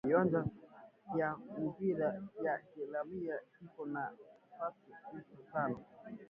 Kiwanja kya mupira kya kalemie kiko na fasi elfu tano